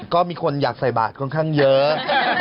ก็มีคนอยากใส่บาทค่อนข้างเยอะ